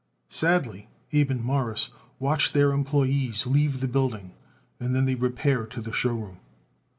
Sadly Abe and Morris watched their employees leave the building, and then they repaired to the show room.